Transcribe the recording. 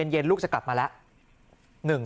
เย็นลูกจะกลับมาแล้ว